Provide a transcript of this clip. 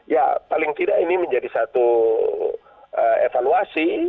ya paling tidak ini menjadi satu evaluasi